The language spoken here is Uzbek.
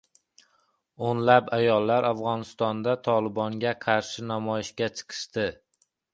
O‘nlab ayollar Afg‘onistonda "Tolibon"ga qarshi namoyishga chiqishdi